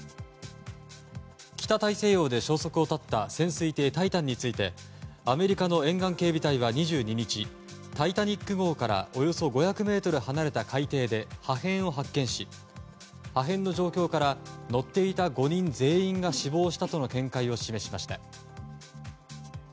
北大西洋で消息を絶った潜水艇「タイタン」についてアメリカの沿岸警備隊は２２日「タイタニック号」からおよそ５００ｍ離れた海底で破片を発見し、破片の状況から乗っていた５人全員が死亡したとの見解を示しました。